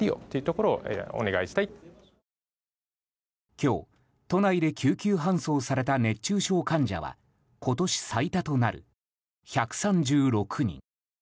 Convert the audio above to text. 今日、都内で救急搬送された熱中症患者は今年最多となる１３６人。